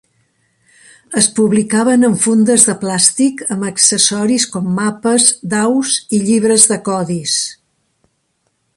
Es publicaven en fundes de plàstic amb accessoris com mapes, daus i llibres de codis.